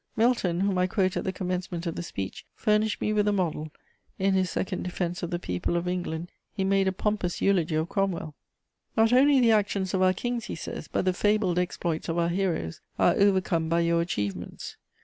Milton, whom I quote at the commencement of the speech, furnished me with a model; in his Second defense of the People of England, he made a pompous eulogy of Cromwell: "Not only the actions of our kings," he says, "but the fabled exploits of our heroes, are overcome by your achievements.